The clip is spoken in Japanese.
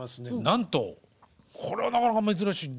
なんとこれはなかなか珍しい。